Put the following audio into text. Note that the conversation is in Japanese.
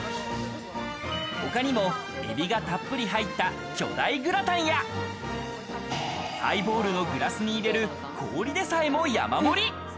他にもエビがたっぷり入った巨大グラタンやハイボールのグラスに入れる氷でさえも山盛り。